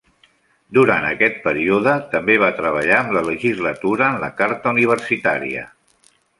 Durant aquest període, també va treballar amb la legislatura en la carta universitària.